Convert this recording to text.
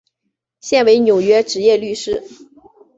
现为纽约执业律师。